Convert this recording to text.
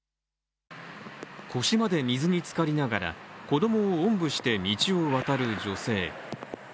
腰まで水につかりながら子供をおんぶして道を渡る女性。